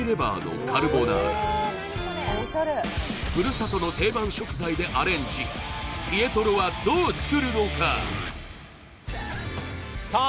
ふるさとの定番食材でアレンジピエトロはどう作るのかさあ